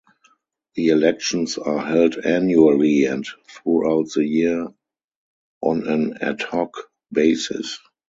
The elections are held annually and throughout the year on an ad hoc basis.